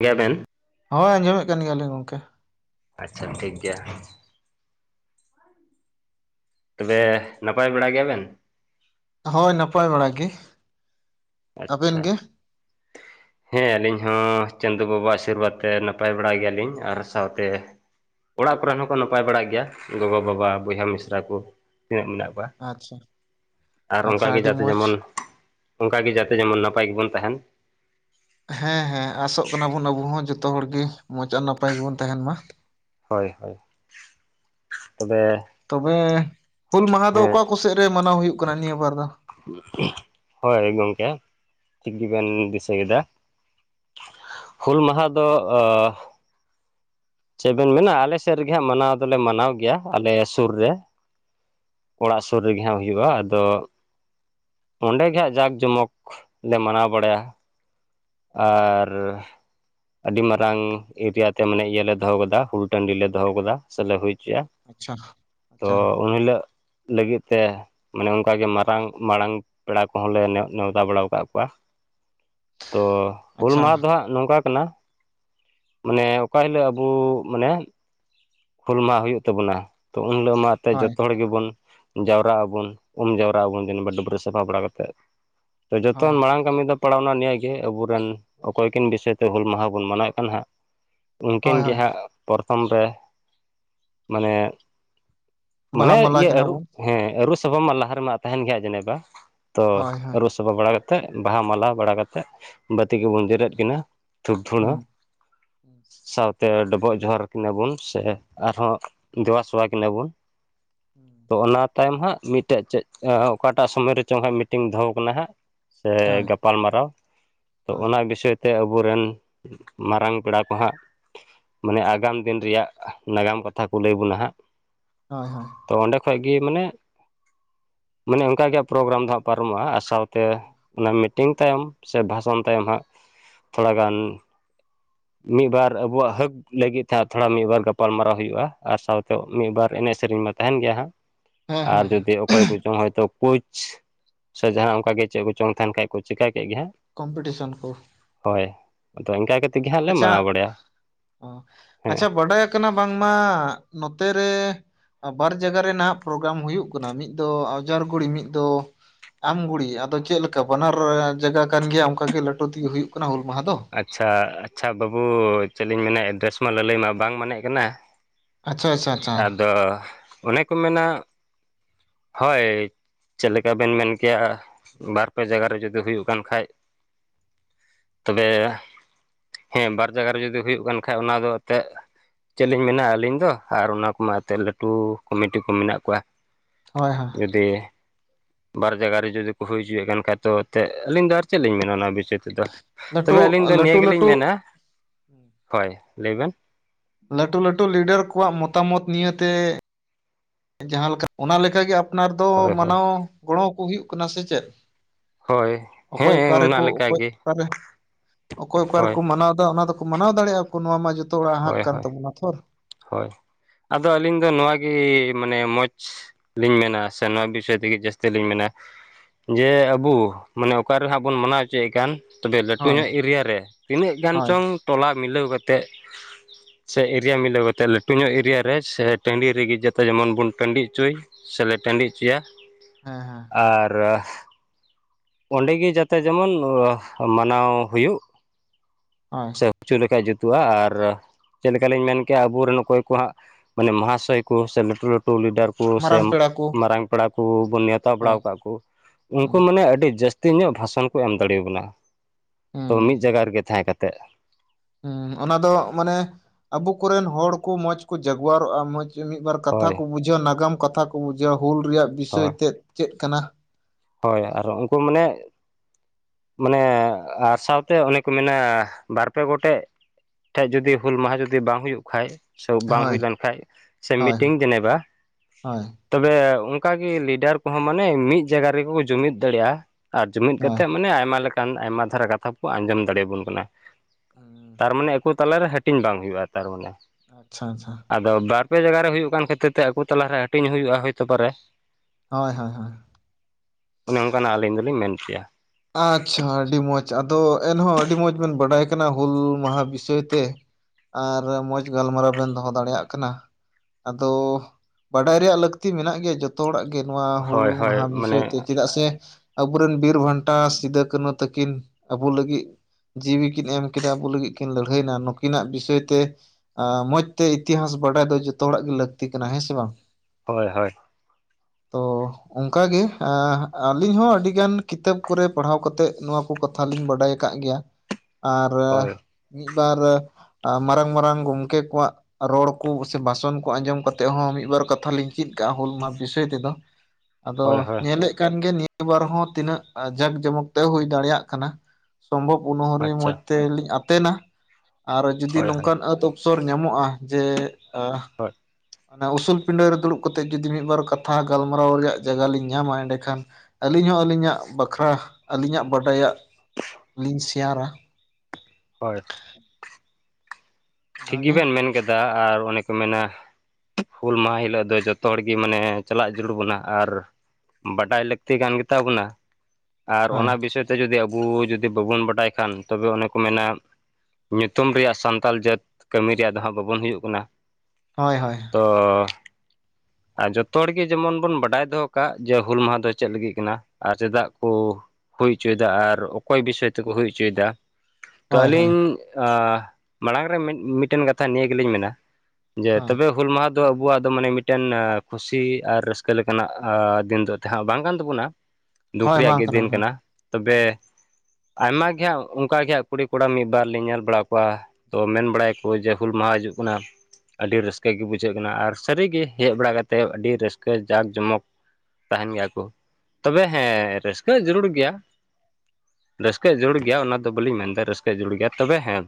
ᱜᱮᱭᱟ ᱵᱮᱱ? ᱦᱚᱸ, ᱟᱸᱡᱚᱢᱮᱫ ᱠᱟᱱ ᱜᱮᱭᱟᱞᱤᱧ ᱜᱚᱝᱠᱮ ᱾ ᱟᱪ-ᱪᱷᱟ, ᱴᱷᱤᱠ ᱜᱮᱭᱟ ᱾ ᱛᱟᱞᱦᱮ, ᱱᱟᱯᱟᱭ ᱵᱟᱲᱟ ᱜᱮᱭᱟ ᱵᱮᱱ? ᱦᱳᱭ, ᱱᱟᱯᱟᱭ ᱵᱟᱲᱟ ᱜᱮ ᱾ ᱟᱪ-ᱪᱷᱟ ᱾ [inaudible] ᱦᱮᱸ ᱟᱹᱞᱤᱧ ᱦᱚᱸ ᱪᱟᱸᱫᱚ ᱵᱟᱵᱟᱣᱟᱜ ᱟᱥᱤᱨᱵᱟᱫᱽᱛᱮ ᱱᱟᱯᱟᱭ ᱵᱟᱲᱟ ᱜᱮᱭᱟᱞᱤᱧ ᱟᱨ ᱥᱟᱶᱛᱮ ᱚᱲᱟᱜ ᱠᱚᱨᱮ ᱦᱚᱸᱠᱚ ᱱᱟᱯᱟᱭ ᱵᱟᱲᱟ ᱜᱮᱭᱟ ᱜᱚᱜᱚ ᱵᱟᱵᱟ ᱵᱚᱭᱦᱟ ᱢᱤᱥᱨᱟ ᱠᱚ ᱛᱤᱱᱟᱹᱜ ᱢᱮᱱᱟᱜ ᱠᱚᱣᱟ ᱟᱪᱪᱷᱟ ᱾ ᱟᱨ ᱟᱪᱪᱷᱟ ᱚᱱᱠᱟᱜᱮ ᱟᱹᱰᱤ ᱡᱟᱛᱮ ᱢᱚᱸᱡᱽ ᱡᱮᱢᱚᱱ ᱚᱝᱠᱟᱜᱮ ᱡᱟᱛᱮ ᱡᱮᱢᱚᱱ ᱱᱟᱯᱟᱭ ᱜᱮᱵᱚᱱ ᱛᱟᱦᱮᱸᱱ ᱾ ᱦᱮᱸ ᱦᱮᱸ ᱟᱥᱚᱜ ᱠᱟᱱᱟ ᱵᱚᱱ ᱟᱵᱩ ᱦᱚᱸ ᱡᱚᱛᱚ ᱦᱚᱲ ᱜᱮ ᱢᱚᱸᱡᱽ ᱟᱨ ᱱᱟᱯᱟᱭ ᱜᱮᱵᱚᱱ ᱛᱟᱦᱮᱸᱱ ᱢᱟ ᱾ ᱦᱳᱭ ᱦᱳᱭ, ᱥᱚᱜ, -ᱥᱚᱜ ᱛᱚᱵᱮ ᱛᱚᱵᱮ, ᱦᱩᱞ ᱢᱟᱦᱟ ᱫᱚ ᱦᱮᱸ ᱚᱠᱟ ᱠᱚᱥᱮᱫ ᱨᱮ ᱢᱟᱱᱟᱣ ᱦᱳᱭᱳᱜ ᱠᱟᱱᱟ ᱱᱤᱭᱟᱹ ᱵᱟᱨ ᱫᱚ? ᱦᱳᱭ ᱜᱚᱝᱠᱮ, ᱴᱷᱤᱠ ᱜᱮᱵᱮᱱ ᱫᱤᱥᱟᱹ ᱭᱮᱫᱟ ᱾ ᱦᱩᱞ ᱢᱟᱦᱟ ᱫᱚ ᱚ ᱪᱮᱫ ᱵᱮᱱ ᱢᱮᱱᱟ ᱟᱞᱮ ᱥᱮᱫ ᱨᱮᱜᱮ ᱦᱟᱸᱜ ᱢᱟᱱᱟᱣ ᱫᱚᱞᱮ ᱢᱟᱱᱟᱣ ᱜᱮᱭᱟ ᱟᱞᱮ ᱥᱳᱨ- ᱨᱮ ᱾ ᱚᱲᱟᱜ ᱥᱳᱨ ᱨᱮᱜᱮ ᱦᱟᱸᱜ ᱦᱳᱭᱩᱜ-ᱟ ᱟᱫᱚ ᱚᱸᱰᱮ ᱜᱮ ᱦᱟᱸᱜ ᱡᱟᱠ ᱡᱚᱢᱚᱠ ᱞᱮ ᱢᱟᱱᱟᱣ ᱵᱟᱲᱟᱭᱟ ᱾ ᱟ-ᱨ-ᱨ ᱾ ᱟᱹᱰᱤ ᱢᱟᱨᱟᱝ ᱮᱨᱤᱭᱟ ᱛᱮ ᱢᱟᱱᱮ ᱤᱭᱟᱹ ᱞᱮ ᱫᱚᱦᱚ ᱠᱟᱫᱟ ᱦᱩᱞ ᱴᱟᱺᱰᱤ ᱞᱮ ᱫᱚᱦᱚ ᱠᱟᱫᱟ ᱥᱮᱞᱮ ᱦᱩᱭ ᱦᱚᱪᱚᱭᱟ ᱟᱪᱪᱷᱟ ᱾ ᱛᱚ, ᱟᱪᱪᱷᱟ ᱩᱱ ᱦᱤᱞᱳᱜ ᱞᱟᱹᱜᱤᱫ ᱛᱮ ᱢᱟᱱᱮ ᱚᱝᱠᱟᱜᱮ ᱢᱟᱨᱟᱝ ᱢᱟᱲᱟᱝ ᱯᱮᱲᱟ ᱠᱚᱦᱚᱸ ᱞᱮ ᱱᱮ ᱱᱮᱣᱛᱟ ᱵᱟᱲᱟ ᱠᱟᱫ ᱠᱚᱣᱟ ᱾ ᱛᱚ ᱦᱩᱞ ᱟᱪᱪᱷᱟ ᱢᱟᱦᱟ ᱫᱚ ᱦᱟᱸᱜ ᱱᱚᱝᱠᱟ ᱠᱟᱱᱟ ᱢᱟᱱᱮ ᱚᱠᱟ ᱦᱤᱞᱳᱜ ᱟᱵᱩ ᱢᱟᱱᱮ ᱦᱩᱞ ᱢᱟᱦᱟ ᱦᱩᱭᱩᱜ ᱛᱟᱵᱚᱱᱟ ᱛᱚ ᱩᱱ ᱦᱤᱞᱳᱜ ᱢᱟ ᱮᱛᱮ ᱦᱳᱭ ᱡᱚᱛᱚ ᱦᱚᱲ ᱜᱮᱵᱚᱱ ᱡᱟᱣᱨᱟᱜ ᱟᱵᱚᱱ ᱩᱢ ᱡᱟᱣᱨᱟᱜ ᱟᱵᱚᱱ ᱠᱤᱝ ᱵᱟ ᱰᱟᱹᱵᱽᱨᱟᱹ ᱥᱟᱯᱷᱟ ᱵᱟᱲᱟ ᱠᱟᱛᱮᱫ, ᱛᱚ ᱡᱚᱛᱚ ᱦᱳᱭ ᱠᱷᱚᱱ ᱢᱟᱲᱟᱝ ᱠᱟᱹᱢᱤ ᱫᱚ ᱯᱟᱲᱟᱣᱱᱟ ᱱᱤᱭᱟᱹᱜᱮ ᱟᱵᱩᱨᱮᱱ ᱚᱠᱚᱭ ᱠᱤᱱ ᱵᱤᱥᱚᱭ ᱛᱮ ᱦᱩᱞ ᱢᱟᱦᱟ ᱵᱚᱱ ᱢᱟᱱᱟᱣᱮᱫ ᱠᱟᱱᱟ ᱦᱟᱸᱜ ᱩᱱᱠᱤᱱ ᱦᱳᱭ ᱜᱮ ᱦᱳᱭ ᱦᱟᱸᱜ ᱯᱚᱨᱛᱷᱚᱢ ᱨᱮ ᱢᱟᱱᱮ ᱵᱟᱦᱟ ᱢᱟᱱᱮ ᱢᱟᱞᱟ ᱤᱭᱟᱹ ᱠᱤᱱᱟ ᱟᱹᱨᱩᱵ ᱵᱚᱱ ᱦᱮᱸ ᱟᱹᱨᱩ ᱥᱟᱯᱟ ᱢᱟ ᱞᱟᱦᱟ ᱨᱮᱢᱟ ᱛᱟᱦᱮᱸᱱ ᱜᱮᱭᱟ ᱡᱮᱱᱮ ᱵᱟ ᱛᱚ ᱦᱳᱭ ᱦᱳᱭ ᱟᱹᱨᱩ ᱥᱟᱯᱷᱟ ᱵᱟᱲᱟ ᱠᱟᱛᱮᱫ, ᱵᱟᱦᱟ ᱢᱟᱞᱟ ᱵᱟᱲᱟ ᱠᱟᱛᱮᱫ ᱵᱟᱹᱛᱤ ᱠᱚᱵᱚᱱ ᱡᱮᱨᱮᱫ ᱠᱤᱱᱟ ᱾ ᱫᱷᱩᱯ ᱫᱷᱩᱲᱟᱹ ᱦᱩᱸ ᱥᱟᱶᱛᱮ ᱰᱚᱵᱚᱜ ᱡᱚᱦᱟᱨ ᱠᱤᱱᱟ ᱵᱩᱱ ᱥᱮ ᱟᱨᱦᱚᱸ ᱫᱮᱵᱟ ᱥᱮᱵᱟ ᱠᱤᱱᱟᱹᱵᱚᱱ ᱾ ᱛᱚ ᱚᱱᱟ ᱛᱟᱭᱚᱢ ᱦᱟᱸᱜ ᱢᱤᱫᱴᱮᱡ ᱪᱮᱫ ᱚᱠᱟᱴᱟᱜ ᱥᱚᱢᱚᱭ ᱨᱮᱪᱚᱝ ᱦᱟᱸᱜ ᱢᱤᱴᱤᱝ ᱫᱚᱦᱚ ᱠᱟᱱᱟ ᱦᱟᱸᱜ ᱥᱮ ᱦᱳᱭ ᱜᱟᱯᱟᱞ ᱢᱟᱨᱟᱣ, ᱛᱚ ᱦᱳᱭ ᱚᱱᱟ ᱵᱤᱥᱚᱭ ᱛᱮ ᱟᱵᱚᱨᱮᱱ ᱢᱟᱨᱟᱝ ᱯᱮᱲᱟ ᱠᱚ ᱦᱟᱸᱜ ᱢᱟᱱᱮ ᱟᱜᱟᱢ ᱫᱤᱱ ᱨᱮᱭᱟᱜ ᱱᱟᱜᱟᱢ ᱠᱟᱛᱷᱟ ᱠᱚ ᱞᱟᱹᱭ ᱵᱩᱱᱟ ᱦᱟᱸᱜ ᱾ ᱚ [unintelligible] ᱛᱚ ᱚᱸᱰᱮ ᱠᱷᱚᱡ ᱜᱤ ᱢᱟᱱᱮ ᱢᱟᱱᱮ ᱚᱝᱠᱟᱜᱮ ᱦᱟᱸᱜ ᱯᱨᱳᱜᱨᱟᱢ ᱫᱚ ᱦᱟᱸᱜ ᱯᱟᱨᱚᱢᱚᱜ-ᱟ ᱾ ᱟᱨ ᱥᱟᱶᱛᱮ ᱚᱱᱟ ᱢᱤᱴᱤᱝ ᱛᱟᱭᱚᱢ ᱥᱮ ᱵᱷᱟᱥᱚᱱ ᱛᱟᱭᱚᱢ ᱦᱟᱸᱜ ᱛᱷᱚᱲᱟᱜᱟᱱ ᱢᱤᱫ ᱵᱟᱨ ᱟᱵᱚᱣᱟᱜ ᱦᱟᱹᱠ ᱞᱟᱹᱜᱤᱫ ᱛᱮ ᱛᱷᱚᱲᱟ ᱢᱤᱫᱵᱟᱨ ᱜᱟᱯᱟ ᱯᱟᱞᱢᱟᱨᱟᱣ ᱦᱩᱭᱩᱜ-ᱟ ᱟᱨ ᱥᱟᱶᱛᱮ ᱢᱤᱫ ᱵᱟᱨ ᱮᱱᱮᱡ ᱥᱮᱨᱮᱧ ᱢᱟ ᱛᱟᱦᱮᱸᱱ ᱜᱮᱭᱟ ᱦᱟᱸᱜ, ᱦᱮᱸ ᱦᱮᱸ ᱟᱨ ᱦᱮᱸ ᱡᱩᱫᱤ ᱚᱠᱚᱭ ᱠᱚ ᱪᱚᱝ ᱦᱚᱭ ᱛᱚ ᱠᱩᱪ ᱥᱮ ᱡᱟᱦᱟᱸᱱᱟᱜ ᱚᱱᱠᱟ ᱜᱮ ᱪᱮᱫ ᱠᱚ ᱪᱚᱝ ᱛᱟᱦᱮᱸᱱ ᱠᱷᱟᱱ ᱠᱚ ᱪᱤᱠᱟ ᱠᱮᱫ ᱜᱮ ᱦᱟᱸᱜ ᱾ ᱠᱚᱢᱯᱤᱴᱤᱥᱚᱱ ᱠᱚ ᱾ ᱦᱳᱭ ᱟᱫᱚ ᱤᱝᱠᱟ ᱠᱟᱛᱮᱫ ᱜᱮ ᱦᱟᱸᱜ ᱞᱮ ᱟᱪᱪᱷᱟ ᱢᱟᱱᱟᱣ ᱵᱟᱲᱟᱭᱟ ᱦᱮᱸ ᱾ ᱦᱩᱭᱩᱜ ᱠᱟᱱᱟ ᱵᱟᱝᱢᱟ ᱱᱚᱛᱮ ᱨᱮ ᱵᱟᱨ ᱡᱟᱜᱟ ᱨᱮᱱᱟᱜ ᱯᱨᱳᱜᱨᱟᱢ ᱦᱩᱭᱩᱜ ᱠᱟᱱᱟ ᱢᱤᱫ ᱫᱚ ᱚᱡᱟᱨᱜᱩᱲᱤ ᱢᱤᱫ ᱫᱚ ᱟᱢᱜᱩᱲᱤ ᱟᱫᱚ ᱪᱮᱫ ᱞᱮᱠᱟ ᱵᱟᱱᱟᱨ ᱡᱟᱜᱟ ᱠᱟᱱ ᱜᱮᱭᱟ ᱚᱱᱠᱟ ᱜᱮ ᱞᱟᱹᱴᱩ ᱛᱮᱜᱮ ᱦᱩᱭᱩᱜ ᱠᱟᱱᱟ ᱦᱩᱞ ᱢᱟᱦᱟ ᱫᱚ? ᱟᱪᱪᱷᱟ ᱟᱪᱪᱷᱟ ᱵᱟᱹᱵᱩ ᱪᱮᱫ ᱞᱤᱧ ᱢᱮᱱᱮᱫ ᱮᱰᱨᱮᱥ ᱢᱟ ᱞᱟᱹ-ᱞᱟᱹᱭ ᱢᱟ ᱵᱟᱝ ᱢᱮᱱᱮᱫ ᱠᱟᱱᱟ ᱾ ᱟᱪᱪᱷᱟ ᱟᱪᱪᱷᱟ ᱟᱪᱪᱷᱟ ᱟᱫᱚ ᱚᱱᱮ ᱠᱚ ᱢᱮᱱᱟ, ᱦᱳᱭ ᱾ ᱪᱮᱫ ᱞᱮᱠᱟ ᱵᱮᱱ ᱢᱮᱱ ᱠᱮᱭᱟ ᱵᱟᱨ ᱯᱮ ᱡᱟᱜᱟ ᱨᱮ ᱡᱩᱫᱟᱹ ᱦᱩᱭᱩᱜ ᱠᱟᱱ ᱠᱷᱟᱡ ᱛᱚᱵᱮ ᱦᱮᱸ ᱵᱟᱨ ᱡᱟᱭᱜᱟ ᱨᱮ ᱡᱩᱫᱤ ᱦᱩᱭᱩᱜ ᱠᱟᱱ ᱠᱷᱟᱡ ᱚᱱᱟ ᱫᱚ ᱮᱛᱮᱫ ᱪᱮᱫ ᱞᱤᱧ ᱢᱮ ᱟᱹᱞᱤᱧ ᱫᱚ? ᱟᱨ ᱚᱱᱟ ᱠᱚᱢᱟ ᱮᱛᱮᱫ ᱞᱟᱹᱴᱩ ᱠᱚᱢᱤᱴᱤ ᱠᱚ ᱢᱮᱱᱟᱜ ᱠᱚᱣᱟ ᱾ ᱦᱳᱭ ᱦᱳᱭ ᱾ ᱡᱩᱫᱤ ᱵᱟᱨ ᱡᱟᱭᱜᱟᱟᱨ ᱨᱮ ᱡᱩᱫᱤ ᱠᱚ ᱦᱩᱭ ᱚᱪᱚᱭᱮᱫ ᱠᱟᱱ ᱠᱷᱟᱡ ᱮᱛᱮᱫ ᱟᱹᱞᱤᱧ ᱫᱚ ᱟᱨ ᱪᱮᱫ ᱞᱤᱧ ᱢᱮᱱᱟ ᱚᱱᱟ ᱵᱤᱤᱥᱚᱭ ᱛᱮᱫᱚ? ᱛᱚᱵᱮ ᱞᱟᱹᱴᱩ ᱟᱹᱞᱤᱧ ᱫᱚ ᱱᱤᱭᱟᱹ ᱞᱟᱹᱴᱩ ᱜᱮᱞᱤᱧ ᱞᱟᱹᱴᱩ ᱢᱮᱱᱟ, ᱦᱳᱭ ᱞᱟᱹᱭ ᱵᱮᱱ ᱾ ᱞᱟᱹᱴᱩ ᱞᱟᱹᱴᱩ ᱞᱤᱰᱟᱨ ᱠᱚᱣᱟᱜ ᱢᱚᱛᱟᱢᱚᱛ ᱱᱤᱭᱮ ᱛᱮ ᱡᱟᱦᱟᱸ ᱞᱮᱠᱟ ᱚᱱᱟ ᱞᱮᱠᱟᱜᱮ ᱟᱯᱱᱟᱨ ᱫᱚ ᱦᱳᱭ ᱦᱳᱭ ᱢᱟᱱᱟᱣ ᱜᱚᱲᱚ ᱠᱚ ᱦᱩᱭᱩᱜ ᱠᱟᱱᱟ ᱥᱮ ᱪᱮᱫ? ᱦᱳᱭ ᱚᱠᱚᱭ ᱚᱠᱟ ᱦᱮᱸ ᱚᱱᱟ ᱨᱮᱠᱚ ᱞᱮᱠᱟ ᱚᱠᱚᱭ ᱜᱮ ᱚᱠᱟᱨᱮ ᱚᱠᱚᱭ ᱚᱠᱟ ᱦᱳᱭ ᱨᱮᱠᱚ ᱢᱟᱱᱟᱣᱫᱟ ᱚᱱᱟ ᱫᱚ ᱢᱟᱱᱟᱣ ᱫᱟᱲᱮᱜ ᱟᱠᱚ ᱱᱚᱣᱟ ᱢᱟ ᱡᱚᱛᱚ ᱦᱚᱲᱟᱜ ᱦᱟᱸᱠ ᱦᱳᱭ ᱠᱟᱱ ᱦᱳᱭ ᱛᱟᱵᱚᱱᱟ ᱛᱷᱚᱨ ᱾ ᱦᱳᱭ ᱟᱫᱚ ᱟᱹᱞᱤᱧ ᱫᱚ ᱱᱚᱣᱟᱣᱟ ᱜᱮ ᱢᱟᱱᱮ ᱢᱚᱡᱽ ᱞᱤᱧ ᱢᱮᱱᱟ ᱥᱮ ᱱᱚᱣᱟ ᱵᱤᱥᱚᱭ ᱛᱮᱜᱮ ᱡᱟᱹᱥᱛᱤ ᱞᱤᱧ ᱢᱮᱱᱟ ᱾ ᱡᱮ ᱟᱵᱚ ᱢᱟᱱᱮ ᱚᱠᱟ ᱨᱮ ᱦᱟᱸᱜ ᱵᱚᱱ ᱢᱟᱱᱟᱣ ᱦᱚᱪᱚᱭᱮᱫ ᱠᱟᱱ ᱛᱚᱵᱮ ᱞᱟᱹᱴᱩ ᱦᱳᱭ ᱧᱚᱜ ᱮᱨᱤᱭᱟ ᱨᱮ ᱛᱤᱱᱟᱹᱜ ᱜᱟᱱ ᱦᱳᱭ ᱪᱚᱝ ᱴᱚᱞᱟ ᱢᱤᱞᱟᱹᱣ ᱠᱟᱛᱮᱫ [unintelligible] ᱥᱮ ᱮᱨᱤᱭᱟ ᱢᱤᱞᱟᱹᱣ ᱠᱟᱛᱮᱫ ᱞᱟᱹᱴᱩ ᱧᱚᱜ ᱮᱨᱤᱭᱟ ᱨᱮ ᱥᱮ ᱴᱟᱺᱰᱤ ᱨᱮᱜᱮ ᱡᱟᱛᱮ ᱡᱮᱢᱚᱱ ᱵᱚᱱ ᱴᱟᱺᱰᱤ ᱦᱚᱪᱚᱭ᱾ ᱥᱮᱞᱮ ᱴᱟᱺᱰᱤ ᱦᱚᱪᱚᱭᱟ ᱾ ᱦᱮᱸ ᱦᱮᱸ ᱾ ᱟᱨ ᱚᱸᱰᱮᱜᱤ ᱡᱟᱛᱮ ᱡᱮᱢᱚᱱ ᱢᱟᱱᱟᱣ ᱦᱩᱭᱩᱜ ᱾ ᱦᱳᱭ ᱾ ᱥᱮ ᱦᱚᱪᱚ ᱞᱮᱠᱷᱟᱡ ᱡᱩᱛᱩᱜᱼᱟ, ᱟᱨ ᱪᱮᱫ ᱞᱮᱠᱟᱞᱤᱧ ᱢᱮᱱ ᱠᱮᱜᱼᱟ ᱟᱵᱚᱨᱮᱱ ᱚᱠᱚᱭ ᱠᱚ ᱦᱟᱸᱜ ᱢᱟᱱᱮ ᱢᱚᱦᱟᱥᱚᱭ ᱠᱚ ᱥᱮ ᱞᱟᱹᱴᱩ ᱞᱟᱹᱴᱩ ᱞᱤᱰᱟᱨ ᱾ ᱥᱮ ᱢᱟᱨᱟᱝ ᱯᱮᱲᱟ ᱠᱚ ᱢᱟᱨᱟᱝ ᱯᱮᱲᱟ ᱠᱚᱵᱚᱱ ᱱᱮᱣᱛᱟ ᱵᱟᱲᱟ ᱦᱳᱭ ᱟᱠᱟᱫ ᱠᱚ ᱩᱱᱠᱩ ᱦᱩᱸ ᱢᱟᱱᱮ ᱟᱹᱰᱤ ᱡᱟᱹᱥᱛᱤ ᱧᱚᱜ ᱵᱷᱟᱥᱚᱱ ᱠᱚ ᱮᱢ ᱫᱟᱲᱮᱭᱟᱵᱚᱱᱟ ᱛᱚ ᱦᱩᱸ ᱢᱤᱫ ᱡᱟᱭᱜᱟ ᱨᱮᱜᱮ ᱛᱟᱦᱮᱸ ᱠᱟᱛᱮᱫ ᱾ ᱦᱮᱸ ᱚᱱᱟ ᱫᱚ ᱢᱟᱱᱮ ᱟᱵᱚ ᱠᱚᱨᱮᱱ ᱦᱚᱲ ᱠᱚ ᱢᱚᱡᱽ ᱠᱚ ᱡᱟᱜᱽᱣᱟᱨᱚᱜᱼᱟ ᱢᱚᱡᱽ ᱾ ᱮ ᱢᱤᱫ ᱵᱟᱨ ᱠᱟᱛᱷᱟ ᱦᱳᱭ ᱠᱚ ᱵᱩᱡᱷᱟᱹᱣᱟ, ᱱᱟᱜᱟᱢ ᱠᱟᱛᱷᱟ ᱠᱚ ᱵᱩᱡᱷᱟᱹᱣᱟ, ᱦᱩᱞ ᱨᱮᱭᱟᱜ ᱵᱤᱥᱚᱭ ᱦᱳᱭ ᱛᱮᱫ ᱪᱮᱫ ᱠᱟᱱᱟ? ᱦᱳᱭ ᱟᱨ ᱩᱱᱠᱩ ᱢᱟᱱᱮ ᱢᱟᱱᱮ ᱟᱨ ᱥᱟᱶᱛᱮ ᱚᱱᱮ ᱠᱚ ᱢᱮᱱᱟ ᱵᱟᱨᱯᱮ ᱜᱚᱴᱮᱡ᱾ ᱴᱷᱮᱱ ᱡᱩᱫᱤ ᱦᱩᱞ ᱢᱟᱦᱟ ᱡᱩᱫᱤ ᱵᱟᱝ ᱦᱩᱭᱩᱜ ᱠᱷᱟᱡ ᱥᱚ ᱵᱟᱝ ᱦᱳᱭ ᱦᱩᱭ ᱞᱮᱱ ᱠᱷᱟᱱᱡ ᱦᱳᱭ ᱥᱮᱢᱤᱴᱤᱝ ᱡᱮᱱᱮᱵᱟ᱾ ᱦᱳᱭ ᱛᱚᱵᱮ ᱚᱱᱠᱟᱜᱮ ᱞᱤᱰᱟᱨ ᱠᱚᱦᱚᱸ ᱢᱟᱱᱮ ᱢᱤᱫ ᱡᱟᱭᱜᱟ ᱨᱮᱜᱮ ᱠᱚ ᱡᱩᱢᱤᱫ ᱫᱟᱲᱮᱭᱟᱜᱼᱟ ᱾ ᱟᱨ ᱡᱩᱢᱤᱫ ᱠᱟᱛᱮ ᱦᱳᱭ ᱢᱟᱱᱮ ᱟᱭᱢᱟ ᱞᱮᱠᱟᱱ ᱟᱭᱢᱟ ᱫᱷᱟᱨᱟ ᱠᱟᱛᱷᱟ ᱵᱚᱱ ᱟᱸᱡᱚᱢ ᱫᱟᱲᱮᱭᱟᱵᱚᱱ ᱠᱟᱱᱟ ᱾ ᱛᱟᱨᱢᱟᱱᱮ ᱟᱠᱚ ᱛᱟᱞᱟᱨᱮ ᱦᱟᱹᱴᱤᱧ ᱵᱟᱝ ᱦᱩᱭᱩᱜᱼᱟ ᱛᱟᱨᱢᱟᱱᱮ ᱾ ᱟᱪᱪᱷᱟ ᱟᱪᱪᱷᱟ ᱾ ᱟᱫᱚ ᱵᱟᱨ ᱯᱮ ᱡᱟᱭᱜᱟ ᱨᱮ ᱦᱩᱭᱩᱜ ᱠᱟᱱ ᱠᱷᱟᱹᱛᱤᱨ ᱛᱮ ᱟᱠᱚ ᱛᱟᱞᱟᱨᱮ ᱦᱟᱹᱴᱤᱧ ᱦᱩᱭᱩᱜᱼᱟ ᱦᱳᱭᱛᱚ ᱯᱟᱨᱮ ᱾ ᱦᱳᱭ ᱦᱳᱭ ᱦᱳᱭ ᱾ ᱚᱱᱮ ᱚᱱᱠᱟᱱᱟᱜ ᱟᱹᱞᱤᱧ ᱫᱚᱞᱤᱧ ᱢᱮᱱ ᱠᱮᱭᱟ ᱾ ᱟᱪᱪᱷᱟ ᱟᱹᱰᱤ ᱢᱚᱸᱡᱽ ᱟᱫᱚ ᱮᱱᱦᱚᱸ ᱟᱹᱰᱤ ᱢᱚᱸᱡᱽ ᱵᱮᱱ ᱵᱟᱰᱟᱭ ᱠᱟᱱᱟ ᱦᱩᱞ ᱢᱟᱦᱟ ᱵᱤᱥᱚᱭ ᱛᱮ᱾ ᱟᱨ ᱢᱚᱡᱽ ᱜᱟᱞᱢᱟᱨᱟᱣ ᱵᱮᱱ ᱫᱚᱦᱚ ᱫᱟᱲᱮᱭᱟᱜ ᱠᱟᱱᱟ᱾ ᱟᱫᱚ ᱵᱟᱰᱟᱭ ᱨᱮᱭᱟᱜ ᱞᱟᱹᱠᱛᱤ ᱢᱮᱱᱟᱜ ᱜᱮᱭᱟ ᱡᱚᱛᱚ ᱡᱚᱛᱚ ᱦᱚᱲᱟᱜ ᱜᱮ ᱱᱚᱣᱟ ᱦᱩᱞ ᱦᱳᱭ ᱦᱳᱭ ᱢᱟᱦᱟ ᱢᱟᱱᱮ ᱵᱤᱥᱚᱭ ᱛᱮ ᱪᱮᱫᱟᱜ ᱥᱮ ᱟᱵᱚᱨᱮᱱ ᱵᱤᱨ ᱵᱷᱟᱱ ᱴᱟ ᱥᱤᱫᱟᱹ ᱠᱟᱹᱱᱦᱩ ᱛᱟᱹᱠᱤᱱ ᱟᱵᱚ ᱞᱟᱹᱜᱤᱫ᱾ ᱡᱤᱣᱤ ᱠᱤᱱ ᱮᱢ ᱠᱮᱫᱟ ᱟᱵᱚ ᱞᱟᱹᱜᱤᱫ ᱠᱤᱱ ᱞᱟᱹᱲᱦᱟᱹᱭᱱᱟ ᱱᱩᱠᱤᱱᱟᱜ ᱵᱤᱥᱚᱭ ᱛᱮ ᱢᱚᱸᱡᱽ ᱛᱮ ᱤᱛᱤᱦᱟᱥ ᱵᱟᱰᱟᱭ ᱫᱚ ᱡᱚᱛᱚ ᱦᱚᱲᱟᱜ ᱜᱮ ᱞᱟᱹᱠᱛᱤ ᱠᱟᱱᱟ ᱦᱮᱸ ᱥᱮ ᱵᱟᱝ? ᱦᱳᱭ ᱦᱳᱭ ᱾ ᱛᱚ ᱚᱱᱠᱟ ᱜᱮ ᱟᱹᱞᱤᱧ ᱦᱚᱸ ᱟᱹᱰᱤ ᱜᱟᱱ ᱠᱤᱛᱟᱹᱵ ᱠᱚᱨᱮ ᱯᱟᱲᱦᱟᱣ ᱠᱟᱛᱮᱫ ᱱᱚᱣᱟ ᱠᱚ ᱠᱟᱛᱷᱟ ᱞᱤᱧ ᱵᱟᱰᱟᱭ ᱟᱠᱟᱫ ᱜᱮᱭᱟ, ᱟᱨ ᱦᱳᱭ ᱢᱤᱫᱵᱟᱨ ᱢᱟᱨᱟᱝ ᱢᱟᱨᱟᱝ ᱜᱚᱢᱠᱮ ᱠᱚᱣᱟᱜ ᱨᱚᱲ ᱠᱚ ᱥᱮ ᱵᱟᱷᱟᱥᱚᱱ ᱠᱚ ᱟᱸᱡᱚᱢ ᱠᱟᱛᱮᱫ ᱦᱚᱸ ᱢᱤᱫᱵᱟᱨ ᱠᱟᱛᱷᱟ ᱞᱤᱧ ᱪᱮᱫ ᱠᱟᱜᱼᱟ ᱦᱩᱞ ᱢᱟ ᱵᱤᱥᱚᱭ ᱛᱮᱫᱚ ᱾ [inaudible] ᱟᱫᱚ ᱦᱳᱭ ᱦᱳᱭ ᱧᱮᱞᱮᱫ ᱠᱟᱱᱜᱮ ᱱᱤᱭᱟᱹ ᱵᱟᱨ ᱦᱚᱸ ᱛᱤᱱᱟᱹᱜ ᱡᱟᱠ ᱡᱚᱢᱚᱠ ᱛᱮ ᱦᱩᱭ ᱫᱟᱲᱮᱭᱟᱜ ᱠᱟᱱᱟ ᱾ ᱥᱚᱢᱵᱷᱚᱵ ᱚᱱᱦᱟᱹᱨᱤ ᱟᱪᱪᱷᱟ ᱢᱚᱸᱡᱽ ᱛᱮᱞᱤᱧ ᱟᱛᱮᱱᱟ ᱟᱨ ᱡᱩᱫᱤ ᱦᱳᱭ ᱦᱳᱭ ᱱᱚᱝᱠᱟᱱ ᱟᱹᱛ ᱚᱠᱛ ᱚᱯᱥᱚᱨ ᱧᱟᱢᱚᱜᱼᱟ ᱡᱮ ᱦᱳᱭ ᱾ ᱚᱱᱟᱮ ᱩᱥᱩᱞ ᱯᱤᱸᱰᱟᱹ ᱨᱮ ᱫᱩᱲᱩᱵ ᱠᱟ ᱚᱱᱮ ᱩᱥᱩᱞ ᱯᱤᱸᱰᱟ ᱨᱮ ᱫᱳᱲᱳᱵ ᱠᱟᱛᱮᱜ ᱡᱩᱫᱤ ᱢᱤᱫᱵᱟᱨ ᱠᱟᱛᱷᱟ ᱜᱟᱞᱢᱟᱨᱟᱣ ᱨᱮᱭᱟᱜ ᱡᱟᱭᱜᱟ ᱞᱤᱧ ᱧᱟᱢᱟ ᱮᱸᱰᱮᱠᱷᱟᱱ ᱟᱹᱞᱤᱧ ᱦᱚᱸ ᱟᱹᱞᱤᱧᱟᱜ ᱵᱟᱠᱷᱨᱟ ᱟᱹᱞᱤᱧᱟᱜ ᱵᱟᱰᱟᱭᱟᱜ ᱞᱤᱧ ᱥᱮᱭᱟᱨᱟ ᱾ ᱦᱳᱭ ᱾ ᱴᱷᱤᱠ ᱚᱱᱟᱜᱮ ᱜᱮᱵᱮᱱ ᱢᱮᱱ ᱠᱮᱫᱟ ᱟᱨ ᱚᱱᱮ ᱠᱚ ᱢᱮᱱᱟ ᱦᱩᱞ ᱢᱟᱦᱟ ᱦᱤᱞᱳᱜ ᱫᱚ ᱡᱚᱛᱚ ᱦᱚᱲᱜᱮ ᱢᱟᱱᱮ ᱪᱟᱞᱟᱜ ᱡᱟᱹᱨᱩᱲ ᱵᱚᱱᱟ ᱟᱨ ᱵᱟᱰᱟᱭ ᱞᱟᱹᱠᱛᱤ ᱠᱟᱱ ᱜᱮᱛᱟ ᱵᱚᱱᱟ᱾ ᱟᱨ ᱦᱳᱭ ᱚᱱᱟ ᱵᱤᱥᱚᱭ ᱛᱮ ᱡᱩᱫᱤ ᱟᱵᱚ ᱡᱩᱫᱤ ᱵᱟᱵᱚᱱ ᱵᱟᱰᱟᱭ ᱠᱷᱟᱱ ᱛᱚᱵᱮ ᱚᱱᱮ ᱠᱚ ᱢᱮᱱᱟ᱾ ᱧᱩᱛᱩᱢ ᱨᱮᱭᱟᱜ ᱥᱟᱱᱛᱟᱲ ᱡᱟᱹᱛ ᱠᱟᱹᱢᱤ ᱨᱮᱭᱟᱜ ᱫᱚ ᱦᱟᱸᱜ ᱵᱟᱵᱚᱱ ᱦᱩᱭᱩᱜ ᱠᱟᱱᱟ᱾ ᱳᱭ ᱦᱳᱭ ᱛᱚ ᱟᱨ ᱡᱚᱛᱚ ᱦᱚᱲᱜᱮ ᱡᱮᱢᱚᱱ ᱵᱚᱱ ᱵᱟᱰᱟᱭ ᱫᱚᱦᱚ ᱠᱟᱜ ᱡᱮ ᱦᱩᱞ ᱢᱟᱦᱟ ᱫᱚ ᱪᱮᱫ ᱞᱟᱹᱜᱤᱫ ᱠᱟᱱᱟ ᱟᱨ ᱪᱮᱫᱟᱜ᱾ ᱠᱚ ᱦᱩᱭ ᱦᱚᱪᱚᱭᱮᱫᱟ ᱟᱨ ᱚᱠᱚᱭ ᱵᱤᱥᱚᱭ ᱛᱮᱠᱚ ᱦᱩᱭ ᱦᱚᱪᱚᱭᱮᱫᱟ᱾ ᱛᱚ ᱦᱳᱭ ᱦᱳᱭ ᱦᱮᱸ ᱟᱹᱞᱤᱧ ᱟᱸ ᱢᱟᱲᱟᱝ ᱨᱮ ᱢᱤᱫᱴᱮᱱ ᱠᱟᱛᱷᱟ ᱱᱤᱭᱟᱹ ᱜᱮᱞᱤᱧ ᱢᱮᱱᱟ᱾ ᱡᱮ ᱛᱚᱵᱮ ᱦᱩᱞ ᱢᱟᱦᱟ᱾ ᱫᱚ ᱟᱵᱚᱣᱟᱜ ᱫᱚ ᱢᱟᱱᱮ ᱢᱤᱫᱴᱮᱱ ᱠᱷᱩᱥᱤ ᱟᱨ ᱨᱟᱹᱥᱠᱟᱹ ᱞᱮᱠᱟᱱᱟᱜ ᱫᱤᱱ ᱫᱚ ᱛᱟᱦᱮᱸ ᱵᱟᱝ ᱠᱟᱱ ᱛᱟᱵᱚᱱᱟ᱾ ᱫᱩᱠ ᱦᱳᱭ ᱨᱤᱭᱟᱜ ᱵᱟᱝ ᱜᱮ ᱫᱤᱱ ᱦᱮᱸ ᱠᱟᱱᱟ ᱛᱚᱵᱮ᱾ ᱦᱮᱸ ᱟᱭᱢᱟ ᱜᱮ ᱦᱟᱸᱜ ᱚᱱᱠ ᱜᱮ ᱦᱟᱸ ᱠᱩᱲᱤ ᱠᱚᱲᱟ ᱢᱤᱫ ᱵᱟᱨ ᱞᱤᱧ ᱧᱮᱞ ᱵᱟᱲᱟ ᱠᱚᱣᱟ᱾ ᱛᱚ ᱢᱮᱱ ᱵᱟᱲᱟᱭᱟᱠᱚ ᱡᱮ ᱦᱩᱞ ᱢᱟᱦᱟ ᱦᱤᱡᱩᱜ ᱠᱟᱱᱟ᱾ ᱟᱹᱰᱤ ᱨᱟᱹᱥᱠᱟᱹ ᱜᱮ ᱵᱩᱡᱷᱟᱹᱜ ᱠᱟᱱᱟ ᱟᱨ ᱥᱟᱹᱨᱤᱜᱮ ᱦᱮᱡ ᱵᱟᱲᱟ ᱠᱟᱛᱮᱫ ᱟᱹᱰᱤ ᱨᱟᱹᱥᱠᱟᱹ ᱡᱟᱠᱼ ᱡᱚᱢᱚᱠ᱾ ᱛᱟᱦᱮᱱ ᱜᱮᱭᱟ ᱠᱚ ᱛᱚᱵᱮ ᱦᱮᱸ ᱨᱟᱹᱥᱠᱟᱹ ᱡᱟᱹᱨᱩᱲ ᱜᱮᱭᱟ᱾ ᱨᱟᱹᱥᱠᱟᱹᱜ ᱡᱟᱨᱩᱲ ᱜᱮᱭᱟ ᱚᱱᱟ ᱫᱚ ᱵᱟᱹᱞᱤᱧ ᱢᱮᱱᱫᱟ ᱨᱟᱹᱥᱠᱟᱹᱜ ᱡᱟᱨᱩᱲ ᱜᱮᱭᱟ ᱛᱚᱵᱮ ᱦᱮᱸ᱾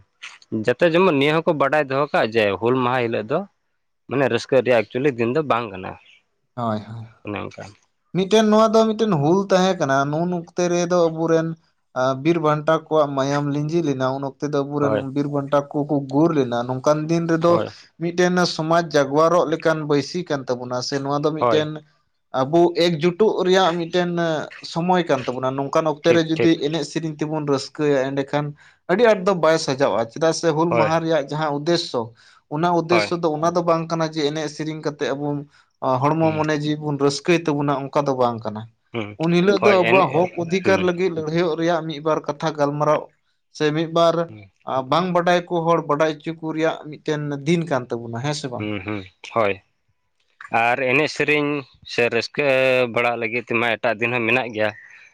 ᱡᱟᱛᱮ ᱡᱮᱢᱚᱱ ᱱᱤᱭᱟᱹ ᱦᱚᱸᱠᱚ ᱵᱟᱰᱟᱭ ᱫᱚᱦᱚ ᱠᱟᱜ ᱡᱮ ᱦᱩᱞ ᱢᱟᱦᱟ ᱦᱤᱞᱳᱜ ᱫᱚ᱾ ᱢᱟᱱᱮ ᱨᱟᱹᱥᱠᱟᱹ ᱨᱮᱭᱟᱜ ᱮᱠᱪᱩᱭᱮᱞᱤ ᱫᱤᱱ ᱫᱚ ᱵᱟᱝ ᱠᱟᱱᱟ᱾ ᱦᱳᱭ ᱦᱳᱭ ᱚᱱᱮ ᱚᱱᱠᱟ ᱢᱤᱫᱴᱮᱱ ᱱᱚᱣᱟ ᱫᱚ ᱢᱤᱫᱴᱮᱱ ᱦᱩᱞ ᱛᱟᱦᱮᱸ ᱠᱟᱱᱟ ᱱᱩᱱ ᱚᱠᱛᱮ ᱨᱮᱫᱚ ᱟᱵᱚᱨᱮᱱ᱾ ᱵᱤᱨ ᱵᱟᱱᱴᱟ ᱠᱚᱣᱟᱜ ᱢᱟᱭᱟᱢ ᱞᱤᱸᱡᱤ ᱞᱮᱱᱟ ᱩᱱ᱾ ᱛᱮ ᱫᱚ ᱦᱳᱭ ᱟᱵᱚᱨᱮᱱ ᱵᱤᱨ ᱵᱟᱱᱴᱟ ᱠᱚᱠᱚ ᱜᱩᱨ ᱞᱮᱱᱟ ᱱᱚᱝᱠᱟᱱ ᱫᱤᱱ ᱨᱮᱫᱚ᱾ ᱦᱳᱭ ᱢᱤᱫᱴᱮᱱ ᱥᱚᱢᱟᱡᱽ ᱡᱟᱜᱽᱣᱟᱨᱚᱜ ᱞᱮᱠᱟᱱ ᱵᱟᱹᱭᱥᱤ ᱠᱟᱱ ᱛᱟᱵᱚᱱᱟ ᱥᱮ ᱱᱚᱣᱟ ᱫᱚ ᱦᱳᱭ ᱢᱤᱫᱴᱮᱱ ᱟᱵᱚ᱾ ᱮᱠ ᱡᱩᱴᱩᱜ ᱨᱮᱭᱟᱜ ᱢᱤᱫᱴᱮᱱ ᱥᱚᱢᱚᱭ ᱠᱟᱱ ᱛᱟᱵᱚᱱᱟ ᱱᱚᱝᱠᱟᱱ ᱚᱠᱛᱮ ᱴᱷᱤᱠ ᱨᱮ ᱴᱷᱤᱠ ᱡᱩᱫᱤ ᱮᱱᱮᱡ ᱥᱮᱨᱮᱧ ᱛᱮᱵᱚᱱ ᱨᱟᱹᱥᱼᱼ ᱨᱤᱠᱟᱹᱭᱟ ᱮᱸᱰᱮᱠᱷᱟᱱ ᱟᱹᱰᱤ ᱟᱸᱴ ᱫᱚ ᱵᱟᱭ ᱥᱟᱡᱟᱜᱼᱟ ᱪᱮᱫᱟᱜ ᱥᱮ ᱦᱩᱞ ᱦᱳᱭ ᱢᱟᱦᱟ ᱨᱮᱭᱟᱜ ᱡᱟᱦᱟᱸ ᱩᱫᱽᱫᱮᱥᱚ᱾ ᱚᱱᱟ ᱦᱳᱭ ᱩᱫᱽᱫᱮᱥᱚ ᱫᱚ ᱚᱱᱟ ᱫᱚ ᱵᱟᱝ ᱠᱟᱱᱟ ᱡᱮ ᱮᱱᱮᱡ ᱥᱮᱨᱮᱧ ᱠᱟᱛᱮᱜ ᱟᱵᱚ ᱦᱚᱲᱢᱚ ᱦᱩᱸ ᱢᱚᱱᱮ ᱡᱤᱣᱤ ᱵᱚᱱ ᱨᱟᱹᱥᱼᱼ ᱛᱟᱵᱚᱱᱟ ᱚᱱᱠᱟ ᱫᱚ ᱵᱟᱝ ᱠᱟᱱᱟ ᱦᱩᱸ ᱩᱱ ᱦᱤᱞᱳᱜ ᱫᱚ ᱦᱳᱭ ᱟᱵᱚᱣᱟᱜ ᱮᱱᱮᱡ ᱦᱚᱠ ᱚᱫᱷᱤᱠᱟᱨ ᱦᱩᱸ ᱞᱟᱹᱜᱤᱫ᱾ ᱞᱟᱹᱲᱦᱟᱹᱭᱚᱜ ᱨᱮᱭᱟᱜ ᱢᱤᱫ ᱵᱟᱨ ᱠᱟᱛᱷᱟ ᱜᱟᱞᱢᱟᱨᱟᱣ ᱥᱮ ᱢᱤᱫ ᱵᱟᱨ ᱟᱸ᱾ ᱵᱟᱝ ᱵᱟᱰᱟᱭ ᱠᱚ ᱦᱚᱲ ᱵᱟᱰᱟᱭ ᱚᱪᱚ ᱠᱚ ᱨᱮᱭᱟᱜ ᱢᱤᱫᱴᱮᱱ ᱫᱤᱱ ᱠᱟᱱ ᱛᱟᱵᱚᱱᱟ ᱦᱮᱸ᱾ ᱥᱮ ᱵᱟᱝ ᱦᱩᱸ ᱦᱩᱸ ᱦᱳᱭ ᱟᱨ ᱮᱱᱮᱡ ᱥᱮᱨᱮᱧ ᱥᱮ ᱨᱟᱹᱥᱠᱟᱹ ᱵᱟᱲᱟᱜ ᱞᱟᱹᱜᱤᱫ ᱛᱮᱢᱟ ᱮᱴᱟᱜ ᱫᱤᱱ ᱦᱚᱸ ᱢᱮᱱᱟᱜ ᱜᱮᱭᱟ᱾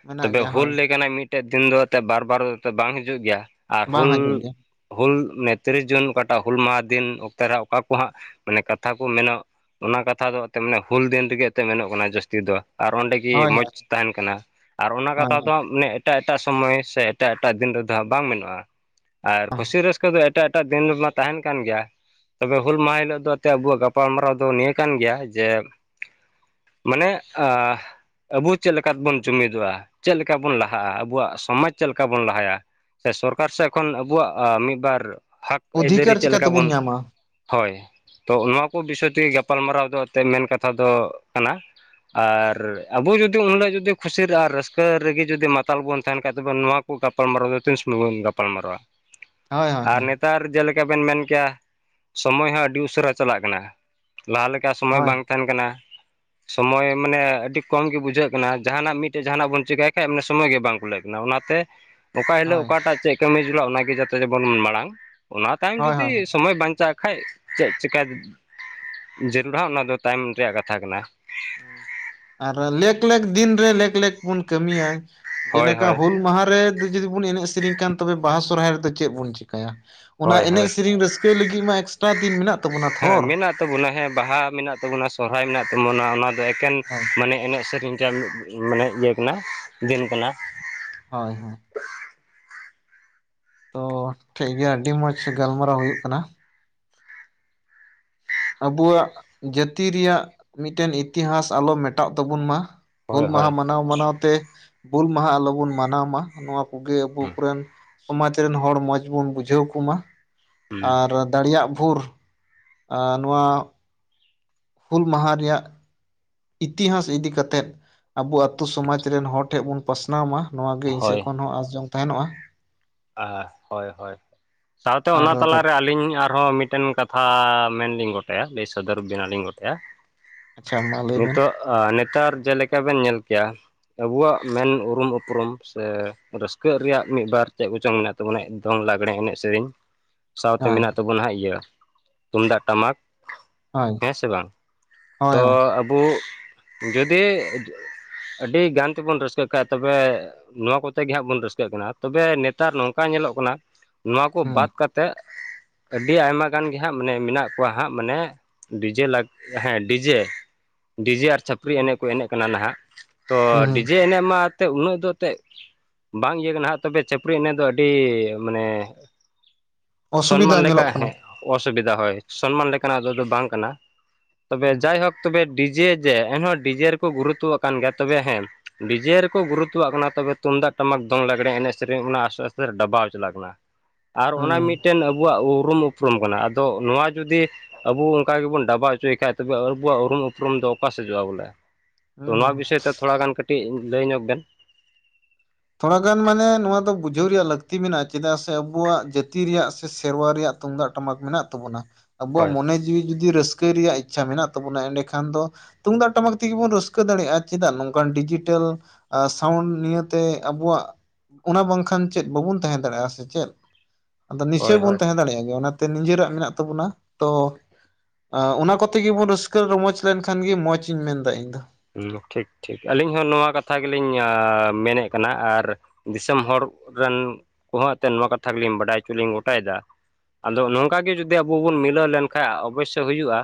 ᱢᱮᱱᱟᱜ ᱛᱚᱵᱮ ᱜᱮᱭᱟ ᱦᱩᱞ ᱦᱳᱭ ᱞᱮᱠᱟᱱᱟᱜ ᱢᱤᱫᱴᱮᱡ ᱫᱤᱱ ᱫᱚ ᱮᱱᱛᱮᱫ ᱵᱟᱨ ᱵᱟᱨ ᱵᱟᱝ ᱦᱤᱡᱩᱜ ᱜᱮᱭᱟ ᱟᱨ ᱵᱟᱝ ᱦᱩᱞ᱾ ᱦᱤᱡᱩᱜ ᱜᱮᱭᱟ ᱦᱩᱞ ᱛᱤᱨᱤᱥ ᱡᱩᱱ ᱚᱠᱟᱴᱟᱜ ᱦᱩᱞ ᱢᱟᱦᱟ ᱫᱤᱱ ᱚᱠᱛᱮ ᱨᱮ ᱚᱠᱟ᱾ ᱦᱟᱸᱜ ᱢᱟᱱᱮ ᱠᱟᱛᱷᱟ ᱠᱚ ᱢᱮᱱᱚᱜ ᱚᱱᱟ ᱠᱚᱦᱟᱸ ᱢᱟᱱᱮ ᱠᱟᱛᱷᱟ ᱠᱚ ᱢᱮᱱᱟ ᱚᱱᱟ ᱠᱟᱛᱷᱟ ᱫᱚ ᱮᱱᱛᱮ ᱢᱟᱱᱮ ᱦᱩᱞ ᱫᱤᱱ ᱨᱮᱜᱮ ᱮᱱᱛᱮᱫ ᱢᱮᱱᱚᱜ ᱠᱟᱱᱟ ᱡᱟᱹᱥᱛᱤ ᱫᱚ᱾ ᱟᱨ ᱚᱸᱰᱮ ᱜᱮ ᱦᱳᱭ ᱢᱚᱡᱽ ᱦᱳᱭ ᱛᱟᱦᱮᱱ ᱠᱟᱱᱟ ᱟᱨ ᱚᱱᱟ ᱦᱳᱭ ᱠᱟᱛᱷᱟ ᱦᱳᱭ᱾ ᱫᱚ ᱢᱟᱱᱮ᱾ ᱮᱴᱟᱜ ᱮᱴᱟᱜ ᱥᱚᱢᱚᱭ ᱥᱮ ᱮᱴᱟᱜ ᱮᱴᱟᱜ ᱫᱤᱱ ᱨᱮᱫᱚ ᱦᱟᱸᱜ ᱵᱟᱝ ᱢᱮᱱᱚᱜᱼᱟ ᱟᱨ ᱠᱷᱩᱥᱤ ᱨᱟᱹᱥᱼᱼ ᱮᱴᱟᱜ ᱮᱴᱟᱜ ᱫᱤᱱ ᱨᱮ ᱢᱟ ᱛᱟᱦᱮᱱ ᱠᱟᱱ ᱜᱮᱭᱟ᱾ ᱛᱚᱵᱮ ᱦᱩᱞ ᱢᱟᱦᱟ ᱦᱤᱞᱳᱜ ᱫᱚ ᱮᱱᱛ ᱟᱵᱚᱣᱟᱜ ᱜᱟᱯᱟᱞᱢᱟᱨᱟᱣ ᱫᱚ ᱱᱤᱭᱟᱹ ᱠᱟᱱ ᱜᱮᱭᱟ ᱡᱮ᱾ ᱢᱟᱱᱮ ᱟᱸ᱾ ᱟᱵᱚ ᱪᱮᱫ ᱞᱮᱠᱟ ᱵᱚᱱ ᱡᱩᱢᱤᱫᱚᱜᱼᱟ ᱪᱮᱫ ᱞᱮᱠᱟ ᱵᱚᱱ ᱞᱟᱦᱟᱜᱼᱟ ᱟᱵᱚᱣᱟᱜ ᱥᱚᱢᱟᱡᱽ ᱪᱮᱫ ᱞᱮᱠᱟ ᱵᱚᱱ ᱞᱟᱦᱟᱭᱟ᱾ ᱥᱮ ᱥᱚᱨᱠᱟᱨ ᱥᱮᱫ ᱠᱷᱚᱱ ᱟᱵᱚᱣᱟᱜ ᱢᱤᱫ ᱵᱟᱨ ᱦᱚᱠ ᱟᱹᱭᱫᱟᱹᱨᱤ ᱚᱫᱷᱤᱠᱟᱨ ᱪᱤᱠᱟ ᱪᱮᱫᱠᱟ ᱛᱮᱵᱚᱱ ᱵᱚᱱ᱾ ᱧᱟᱢᱟ ᱦᱳᱭ ᱛᱚ ᱚᱱᱟᱠᱚ ᱵᱤᱥᱚᱭ ᱛᱮᱜᱮ ᱜᱟᱯᱟᱞᱢᱟᱨᱟᱣ ᱫᱚ ᱮᱱᱛᱮᱫ ᱢᱮᱱ ᱠᱟᱛᱷᱟ ᱫᱚ ᱠᱟᱱᱟ᱾ ᱟᱨ ᱦᱩᱸ ᱟᱵᱚ ᱡᱩᱫᱤ᱾ ᱩᱱᱞᱟᱹ ᱡᱩᱫᱤ ᱠᱩᱥᱤ ᱟᱨ ᱨᱟᱹᱥᱠᱟᱹ ᱨᱮᱜᱮ ᱡᱩᱫᱤ ᱢᱟᱛᱟᱞ ᱵᱚᱱ ᱛᱟᱦᱮᱸᱱ ᱠᱷᱟᱱ, ᱛᱚᱵᱮ ᱱᱚᱣᱟ ᱠᱚ ᱜᱟᱯᱟᱞ ᱢᱟᱨᱟᱣ ᱫᱚ ᱛᱤᱸᱥ ᱦᱚᱸ ᱵᱟᱱ। ᱜᱟᱯᱟᱞᱢᱟᱨᱟᱣᱟ, ᱦᱳᱭ ᱦᱳᱭ ᱟᱨ ᱦᱳᱭ ᱱᱮᱛᱟᱨ ᱡᱮ ᱞᱮᱠᱟ ᱵᱮᱱ ᱢᱮᱱ ᱠᱮᱭᱟ ᱾ ᱥᱚᱢᱚᱭ ᱦᱚᱸ, ᱟᱹᱰᱤ ᱩᱥᱟᱹᱨᱟ ᱪᱟᱞᱟᱜ ᱠᱟᱱᱟ, ᱞᱟᱦᱟ ᱞᱮᱠᱟ, ᱥᱚᱢᱚᱭ ᱦᱳᱭ ᱵᱟᱝ ᱛᱟᱦᱮᱱ ᱠᱟᱱᱟ ᱾ ᱥᱚᱢᱳᱭ ᱢᱟᱱᱮ, ᱟᱹᱰᱤ ᱠᱚᱢ ᱜᱮ, ᱵᱩᱡᱷᱟᱹᱜ ᱠᱟᱱᱟ ᱾ ᱡᱟᱦᱟᱸᱱᱟᱜ ᱢᱤᱫᱴᱮᱡ, ᱡᱟᱦᱟᱸᱱᱟᱜ ᱵᱚᱱ, ᱪᱮᱠᱟᱭ ᱠᱷᱟᱡ, ᱢᱟᱱᱮ ᱥᱚᱢᱚᱭ ᱜᱮ, ᱵᱟᱝ ᱠᱩᱞᱟᱹᱜᱼᱟ ᱾ ᱱᱟ, ᱚᱱᱟᱛᱮ ᱚᱠᱟ ᱦᱤᱞᱳᱜ, ᱚᱠᱟ ᱴᱟᱜ, ᱪᱮᱫ ᱠᱟᱹᱢᱤ ᱡᱚᱞᱟ ᱾ ᱚᱱᱟ ᱜᱮ, ᱡᱚᱛᱚ ᱡᱮᱢᱚᱱ ᱢᱟᱲᱟᱝ, ᱚᱱᱟ ᱛᱟᱭᱚᱢ, ᱦᱳᱭ ᱡᱩᱫᱤ ᱦᱳᱭ ᱥᱚᱢᱚᱭ ᱵᱟᱧᱪᱟᱜ ᱠᱷᱟᱱᱡ, ᱪᱮᱫ ᱪᱤᱠᱟᱹ, ᱡᱟᱹᱨᱩᱲᱟ ᱾ ᱚᱱᱟ ᱫᱚ, ᱛᱟᱭᱚᱢ ᱨᱮᱭᱟᱜ, ᱠᱟᱛᱷᱟ ᱠᱟᱱᱟ ᱾ ᱦᱳᱭ ᱟᱨ, ᱞᱮᱠ ᱞᱮᱠ ᱫᱤᱱ ᱨᱮ, ᱞᱮᱠ ᱞᱮᱠ ᱵᱚᱱ, ᱠᱟᱹᱢᱤᱭᱟ ᱾ ᱦᱳᱭ ᱡᱮᱞᱮᱠᱟ ᱦᱳᱭ ᱦᱩᱞ ᱢᱟᱦᱟ ᱨᱮ, ᱡᱩᱫᱤ ᱵᱚᱱ, ᱮᱱᱮᱡ ᱥᱮᱨᱮᱧ ᱠᱷᱟᱱ, ᱛᱚᱵᱮ, ᱵᱟᱦᱟ ᱥᱚᱨᱦᱟᱭ ᱨᱮᱫᱚ, ᱪᱮᱫ ᱵᱚᱱ, ᱪᱤᱠᱟᱹᱭᱟ? ᱚᱱᱟ, ᱦᱳᱭ ᱮᱱᱮᱡ ᱦᱳᱭ ᱥᱮᱨᱮᱧ ᱨᱟᱹᱥᱠᱟᱹ ᱞᱟᱹᱜᱤᱫ ᱢᱟ, ᱮᱠᱥᱴᱨᱟ ᱫᱤᱱ ᱢᱮᱱᱟᱜ ᱛᱟᱵᱚᱱᱟ ᱦᱮᱸ, ᱛᱷᱚᱨ ᱢᱮᱱᱟᱜ ᱛᱟᱵᱚᱱᱟ ᱾ ᱦᱮᱸ ᱵᱟᱦᱟ ᱢᱮᱱᱟᱜ ᱛᱟᱵᱚᱱᱟ, ᱥᱚᱦᱨᱟᱭ ᱢᱮᱱᱟᱜ ᱛᱟᱵᱚᱱᱟ ᱾ ᱚᱱᱟ ᱫᱚ, ᱮᱠᱮᱱ ᱦᱳᱭ ᱢᱟᱱᱮ, ᱮᱱᱮᱡ ᱥᱮᱨᱮᱧ ᱨᱮᱭᱟᱜ ᱢᱤᱫ ᱢᱟᱱᱮ, ᱤᱭᱟᱹ ᱠᱟᱱᱟ, ᱫᱤᱱ ᱠᱟᱱᱟ ᱾ ᱦᱳᱭ, ᱦᱳᱭ ᱾ ᱛᱚ, ᱴᱷᱤᱠ ᱜᱮᱭᱟ, ᱟᱹᱰᱤ ᱢᱚᱸᱡᱽ ᱜᱟᱞᱢᱟᱨᱟᱣ ᱦᱩᱭᱩᱜ ᱠᱟᱱᱟ ᱾ ᱟᱵᱩᱣᱟᱜ, ᱡᱟᱹᱛᱤ ᱨᱮᱭᱟᱜ, ᱢᱤᱫᱴᱮᱱ ᱤᱛᱤᱦᱟᱥ, ᱟᱞᱚ ᱢᱮᱴᱟᱜ ᱛᱟᱵᱚᱱ ᱢᱟ ᱾ ᱦᱳᱭ ᱦᱩᱞ ᱢᱟᱦᱟ, ᱦᱳᱭ ᱢᱟᱱᱟᱣ ᱢᱟᱱᱟᱣ ᱛᱮ, ᱵᱩᱞ ᱢᱟᱦᱟ, ᱟᱞᱚ ᱵᱚᱱ ᱢᱟᱱᱟᱣ ᱢᱟ, ᱱᱚᱣᱟ ᱠᱚᱜᱮ, ᱟᱵᱚ, ᱠᱚ ᱨᱮᱱ ᱥᱚᱢᱟᱡᱽ ᱨᱮᱱ, ᱦᱚᱲ ᱢᱚᱡᱽ ᱵᱚᱱ, ᱵᱩᱡᱷᱟᱹᱣ ᱠᱚᱢᱟ ᱾ ᱟᱨ ᱫᱟᱲᱮᱭᱟᱜ ᱵᱷᱳᱨ ᱟᱨ ᱱᱚᱣᱟ ᱦᱩᱞ ᱢᱟᱦᱟ ᱨᱮᱭᱟᱜ, ᱤᱛᱤᱦᱟᱥ ᱤᱫᱤ ᱠᱟᱛᱮᱫ, ᱟᱵᱚ, ᱟᱹᱛᱩ ᱥᱚᱢᱟᱡᱽ ᱨᱮᱱ, ᱦᱚᱲ ᱴᱷᱮᱱ ᱵᱚᱱ, ᱯᱟᱥᱱᱟᱣ ᱢᱟ ᱾ ᱱᱚᱣᱟ ᱜᱮ, ᱤᱧ ᱥᱮᱫ ᱠᱷᱚᱱ ᱦᱚᱸ, ᱟᱸᱥ ᱡᱚᱝ ᱛᱟᱦᱮᱱᱚᱜᱼᱟ ᱾ ᱟᱦ, ᱦᱳᱭ ᱦᱳᱭ, ᱥᱟᱶᱛᱮ ᱟᱨ ᱚᱱᱟ ᱛᱟᱞᱟᱨᱮ, ᱟᱹᱞᱤᱧ ᱟᱨ ᱟᱨᱦᱚᱸ, ᱢᱤᱫᱴᱮᱱ ᱠᱟᱛᱷᱟ ᱢᱮᱱ ᱞᱤᱧ, ᱜᱚᱴᱟᱭᱟ ᱾ ᱞᱟᱹᱭ ᱥᱚᱫᱚᱨ ᱵᱮᱱᱟ ᱞᱤᱧ, ᱜᱚᱴᱟᱭᱟ ᱾ ᱟᱪᱪᱷᱟ, ᱢᱟ ᱞᱟᱹᱭ ᱵᱮᱱ? ᱱᱮᱛᱟᱨ ᱪᱮᱫ ᱞᱮᱠᱟ, ᱵᱮᱱ ᱧᱮᱞ ᱠᱮᱭᱟ? ᱟᱵᱚᱣᱟᱜ, ᱢᱮᱱ ᱩᱨᱩᱢ ᱩᱯᱨᱩᱢ ᱥᱮ, ᱨᱟᱹᱥᱠᱟᱹᱜ ᱨᱮᱭᱟᱜ, ᱢᱤᱫ ᱵᱟᱨ ᱪᱮᱫ ᱠᱚᱪᱚᱝ ᱢᱮᱱᱟᱜ ᱛᱟᱵᱚᱱᱟ, ᱫᱚᱝ ᱞᱟᱜᱽᱲᱮ, ᱮᱱᱮᱡ ᱥᱮᱨᱮᱧ, ᱦᱮᱸ ᱥᱟᱶᱛᱮ ᱦᱳᱭ ᱢᱮᱱᱟᱜ ᱛᱟᱵᱚᱱᱟ, ᱤᱭᱟᱹ᱾ ᱛᱩᱢᱫᱟᱜ ᱴᱟᱢᱟᱠ, ᱦᱳᱭ ᱦᱮᱸ ᱥᱮ ᱵᱟᱝ, ᱛᱚ ᱦᱳᱭ ᱟᱵᱚ ᱡᱩᱫᱤ, ᱟᱹᱰᱤ ᱜᱟᱱ ᱛᱮᱵᱚᱱ, ᱨᱟᱹᱥᱠᱟᱹᱜ ᱠᱷᱟᱡ, ᱛᱚᱵᱮ, ᱱᱚᱣᱟ ᱠᱚᱛᱮ ᱜᱮ ᱦᱟᱸᱜ, ᱵᱚᱱ ᱨᱟᱹᱥᱠᱟᱹᱜ ᱠᱟᱱᱟ, ᱛᱚᱵᱮ ᱱᱮᱛ ᱛᱟᱨ, ᱱᱚᱝᱠᱟ ᱧᱮᱞᱚᱜ ᱠᱟᱱᱟ, ᱱᱚᱣᱟ ᱠᱚ ᱦᱩᱸ ᱵᱟᱫ ᱠᱟᱛᱮ, ᱟᱹᱰᱤ ᱟᱭᱢᱟ, ᱜᱟᱱ ᱜᱮ ᱦᱟᱸᱜ, ᱢᱟᱱᱮ, ᱢᱮᱱᱟᱜ ᱠᱚᱣᱟ ᱦᱟᱸᱜ, ᱢᱟᱱᱮ, ᱰᱤᱡᱮ, ᱞᱟᱜᱽ ᱦᱮᱸᱻ ᱰᱤᱡᱮ ᱰᱤᱡᱮ ᱟᱨ ᱪᱷᱟᱹᱯᱨᱤ ᱮᱱᱮᱡ ᱠᱚ, ᱦᱩᱸ ᱮᱱᱮᱡ ᱠᱟᱱᱟ ᱱᱷᱟᱜ, ᱛᱚ, ᱦᱩᱸ ᱰᱤᱡᱮ ᱮᱱᱮᱡ ᱢᱟ, ᱩᱱᱟᱹᱜ ᱫᱚ, ᱮᱱᱛᱮᱫ ᱵᱟᱝ, ᱤᱭᱟᱹ ᱠᱟᱱᱟ ᱦᱟᱸᱜ, ᱛᱚᱵᱮ ᱪᱷᱟᱯᱨᱤ ᱮᱱᱮᱡ ᱫᱚ, ᱟᱹᱰᱤ ᱢᱟᱱᱮ, ᱚᱥᱩᱵᱤᱫᱟ ᱥᱚᱱᱢᱟᱱ ᱞᱮᱠᱟ ᱧᱮᱞᱚᱜ ᱠᱟᱱᱟ ᱦᱮᱸ ᱾ ᱚᱥᱩᱵᱤᱫᱟ ᱦᱳᱭ, ᱥᱚᱱᱢᱟᱱ ᱞᱮᱠᱟᱱᱟᱜ ᱫᱚ, ᱵᱟᱝ ᱠᱟᱱᱟ ᱾ ᱛᱚᱵᱮ, ᱦᱩᱸ ᱡᱟᱭᱦᱳᱠ ᱛᱚᱵᱮ, ᱰᱤᱡᱮ ᱡᱮ, ᱮᱱᱦᱚᱸ ᱰᱤᱡᱮ ᱨᱮᱠᱚ, ᱜᱩᱨᱩᱛᱭᱚ ᱟᱠᱟᱱ ᱜᱮᱭᱟ ᱾ ᱛᱚᱵᱮ ᱦᱮᱸ ᱰᱤᱡᱮ ᱨᱮᱠᱚ, ᱜᱩᱨᱩᱛᱚᱣᱟᱜ ᱟᱠᱟᱱᱟ, ᱛᱚᱵᱮ, ᱛᱩᱢᱫᱟᱜ ᱴᱟᱢᱟᱠ, ᱫᱚᱝ ᱞᱟᱜᱽᱲᱮ, ᱮᱱᱮᱡ ᱥᱮ ᱥᱮᱨᱮᱧ, ᱚᱱᱟ, ᱟᱥᱛᱮ, ᱟᱥᱛᱮ ᱰᱟᱵᱟᱣ, ᱪᱟᱞᱟᱜ ᱠᱟᱱᱟ ᱾ ᱟᱨ ᱚᱱᱟ, ᱦᱩᱸ ᱢᱤᱫᱴᱮᱱ ᱟᱵᱚᱣᱟᱜ ᱩᱨᱩᱢ ᱩᱯᱨᱩᱢ ᱠᱟᱱᱟ ᱾ ᱟᱫᱚ, ᱱᱚᱣᱟ ᱡᱩᱫᱤ ᱟᱵᱚ, ᱚᱱᱠᱟ ᱜᱮᱵᱚᱱ, ᱰᱟᱵᱟᱣ ᱚᱪᱚᱭᱮ ᱠᱷᱟᱡ, ᱛᱚᱵᱮ, ᱟᱵᱚᱣᱟᱜ ᱩᱨᱩᱢ, ᱩᱯᱨᱩᱢ ᱫᱚ ᱚᱠᱟ, ᱥᱮᱪᱚᱜᱼᱟ ᱾ ᱵᱚᱞᱮ ᱛᱚ, ᱦᱩᱸ ᱱᱚᱣᱟ ᱦᱩᱸ ᱵᱤᱥᱚᱭ ᱛᱮ, ᱛᱷᱚᱲᱟ ᱜᱟᱱ ᱠᱟᱹᱴᱤᱡ, ᱞᱟᱹᱭ ᱧᱚᱜ ᱵᱮᱱ ᱾ ᱛᱷᱚᱲᱟ ᱜᱟᱱ ᱢᱟᱱᱮ, ᱱᱚᱣᱟ ᱫᱚ, ᱵᱩᱡᱷᱟᱹᱣ ᱨᱮᱭᱟᱜ ᱞᱟᱹᱠᱛᱤ ᱢᱮᱱᱟᱜᱼᱟ ᱾ ᱪᱮᱫᱟᱜ ᱥᱮ, ᱟᱵᱩᱣᱟᱜ ᱡᱟᱹᱛᱤ ᱨᱮᱭᱟᱜ, ᱥᱮ ᱥᱮᱨᱣᱟ ᱨᱮᱭᱟᱜ ᱛᱩᱢᱫᱟᱜ ᱴᱟᱢᱟᱠ, ᱢᱮᱱᱟᱜ ᱛᱟᱵᱚᱱᱟ ᱾ ᱟᱵᱚᱣᱟᱜ ᱦᱳᱭ ᱢᱚᱱᱮ, ᱡᱤᱣᱤ ᱡᱩᱫᱤ, ᱨᱟᱹᱥᱠᱟᱹ ᱨᱮᱭᱟᱜ ᱤᱪᱪᱷᱟ ᱢᱮᱱᱟᱜ ᱛᱟᱵᱚᱱᱟ, ᱮᱸᱰᱮᱠᱷᱟᱱ ᱫᱚ ᱛᱩᱢᱫᱟᱜ ᱴᱟᱢᱟᱠ ᱛᱮᱜᱮ, ᱵᱚᱱ ᱨᱟᱹᱥᱠᱟᱹ ᱫᱟᱲᱮᱭᱟᱜᱼᱟ ᱾ ᱪᱮᱫᱟᱜ? ᱱᱚᱝᱠᱟᱱ ᱰᱤᱡᱤᱴᱮᱞ, ᱥᱟᱣᱩᱱᱰ ᱱᱤᱭᱟᱹ ᱛᱮ ᱟᱵᱚᱣᱟᱜ ᱚᱱᱟ ᱵᱟᱝᱠᱷᱟᱱ ᱪᱮᱫ ᱵᱟᱵᱚᱱ ᱛᱟᱦᱮᱸ ᱫᱟᱲᱮᱭᱟᱜ-ᱟ ᱥᱮ ᱪᱮᱫ? ᱟᱫᱚ ᱦᱳᱭ ᱱᱤᱥᱪᱳᱭ ᱦᱳᱭ ᱵᱚᱱ ᱛᱟᱦᱮᱸ ᱫᱟᱲᱮᱭᱟᱜ ᱜᱮᱭᱟ ᱚᱱᱟᱛᱮ ᱱᱤᱡᱮᱨᱟᱜ ᱢᱮᱱᱟᱜ ᱛᱟᱵᱚᱱᱟ᱾ᱛᱚ ᱮ ᱚᱱᱟ ᱠᱚᱛᱮ ᱜᱮᱵᱚᱱ ᱨᱟᱹᱥᱠᱟᱹ ᱨᱚᱢᱚᱡᱽ ᱞᱮᱱᱠᱷᱟᱱ ᱜᱮ ᱢᱚᱸᱡᱽ ᱤᱧ ᱢᱮᱱᱫᱟ ᱤᱧ ᱫᱚ᱾ ᱦᱩᱸ ᱴᱷᱤᱠ ᱴᱷᱤᱠ ᱟᱹᱞᱤᱧ ᱦᱚᱸ ᱱᱚᱣᱟ ᱠᱟᱛᱷᱟ ᱜᱤᱞᱤᱧ ᱢᱮᱱᱮᱫ ᱠᱟᱱᱟ, ᱟᱨ ᱫᱤᱥᱚᱢ ᱦᱚᱲ ᱨᱮᱱ ᱠᱚᱦᱚᱸ ᱮᱱᱛᱮᱫ ᱱᱚᱣᱟ ᱠᱟᱛᱷᱟ ᱜᱮᱞᱤᱧ ᱵᱟᱰᱟᱭ ᱦᱚᱪᱚ ᱞᱤᱧ ᱜᱚᱴᱟᱭᱮᱫᱟ ᱟᱫᱚ ᱱᱚᱝᱠᱟ ᱜᱮ ᱡᱩᱫᱤ ᱟᱵᱚ ᱵᱚᱱ ᱢᱤᱞᱟᱹᱣ ᱞᱮᱱᱠᱷᱟᱡ ᱚᱵᱚᱥᱥᱚᱭ ᱦᱩᱭᱩᱜ-ᱟ,